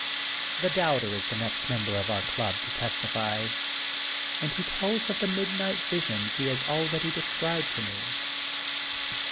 The Doubter is the next member of our club to testify and he tells of the midnight visions he has already described to me.